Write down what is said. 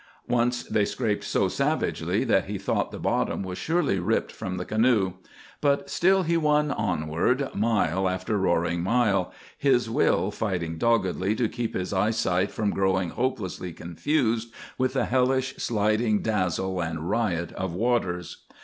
Once they scraped so savagely that he thought the bottom was surely ripped from the canoe. But still he won onward, mile after roaring mile, his will fighting doggedly to keep his eyesight from growing hopelessly confused with the hellish, sliding dazzle and riot of waters.